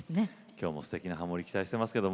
きょうもすてきなハモリを期待しています。